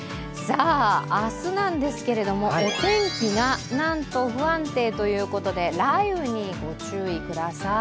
明日なんですけれども、お天気がなんと不安定ということで、雷雨にご注意ください。